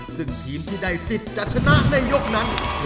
ซึ่งทีมที่ได้สิทธิ์จะชนะในยกนั้น